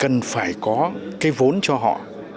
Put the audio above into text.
cần phải có cái vốn cho họ